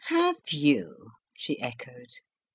"Have you?" she echoed.